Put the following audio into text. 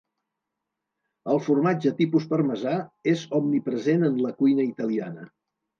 El formatge tipus parmesà és omnipresent en la cuina italiana.